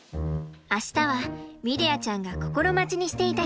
明日はミレアちゃんが心待ちにしていた日。